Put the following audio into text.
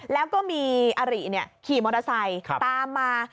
แล้วก็มีอริขี่มอเตอร์ไซค์ตามมา